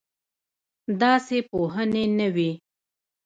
داسې پوهنې نه وې.